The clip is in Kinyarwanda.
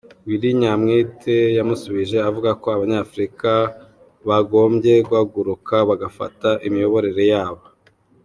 Willy Nyamitwe yamusubije avuga ko abanyafrika bagombye guhaguruka bagafata imiyoborere yabo.